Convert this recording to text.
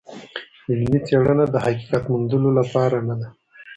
علمي څېړنه د حقیقت موندلو لپاره نده.